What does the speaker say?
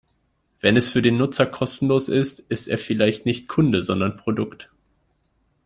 Wenn es für den Nutzer kostenlos ist, ist er vielleicht nicht Kunde, sondern Produkt.